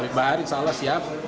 baik bahar insya allah siap